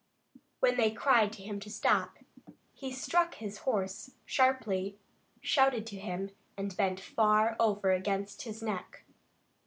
When they cried to him to stop, he struck his horse sharply, shouted to him, and bent far over against his neck.